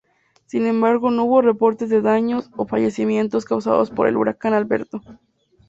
Sin embargo no hubo reportes de daños o fallecimientos causados por el huracán Alberto.